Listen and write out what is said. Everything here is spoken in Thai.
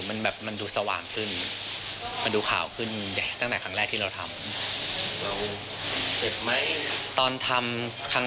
เหมือนเราทำเลเซอร์หน้าปกติอย่างนี้นะครับ